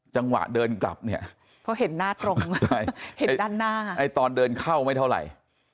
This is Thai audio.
จังหวะเดินกลับเนี่ยเพราะเห็นหน้าตรงเลยเห็นด้านหน้าไอ้ตอนเดินเข้าไม่เท่าไหร่